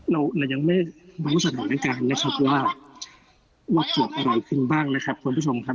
เรายังไม่รู้สำหรับด้านการณ์นะครับว่าอร่อยขึ้นบ้างนะครับคุณผู้ชมครับ